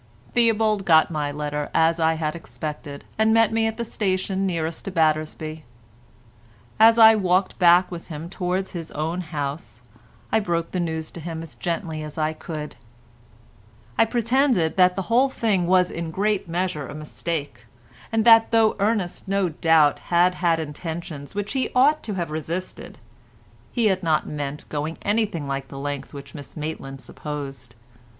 Theobald got my letter as I had expected, and met me at the station nearest to Battersby. As I walked back with him towards his own house I broke the news to him as gently as I could. I pretended that the whole thing was in great measure a mistake, and that though Ernest no doubt had had intentions which he ought to have resisted, he had not meant going anything like the length which Miss Maitland supposed.